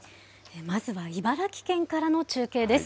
まずは茨城県からの中継です。